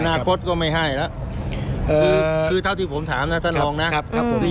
อนาคตก็ไม่ให้แล้วคือเท่าที่ผมถามนะท่านรองนะครับ